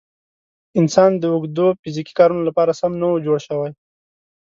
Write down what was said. انسان د اوږدو فیزیکي کارونو لپاره سم نه و جوړ شوی.